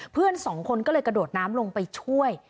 เพื่อนสองคนก็เลยกระโดดน้ำลงไปช่วย